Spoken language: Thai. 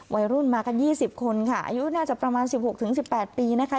วัยรุ่นมากัน๒๐คนค่ะอายุน่าจะประมาณ๑๖๑๘ปีนะคะ